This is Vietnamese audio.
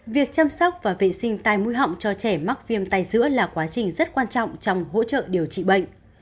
việc chăm sóc và vệ sinh tai mũi họng cho trẻ mắc viêm tay giữa là quá trình rất quan trọng trong hỗ trợ điều trị bệnh